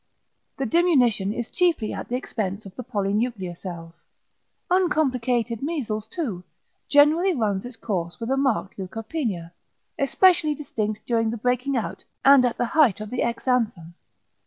The diminution is chiefly at the expense of the polynuclear cells. Uncomplicated measles too, generally runs its course with a marked leukopenia, specially distinct during the breaking out and at the height of the exanthem.